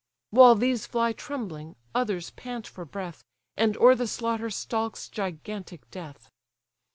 While these fly trembling, others pant for breath, And o'er the slaughter stalks gigantic death.